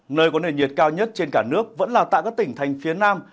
nơi có nền nhiệt cao nhất trên cả nước vẫn là tại các tỉnh thành phía nam